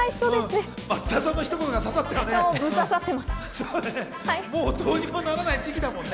松田さんのひと言がささったよね。